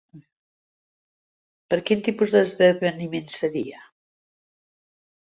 Per quin tipus d'esdeveniment seria?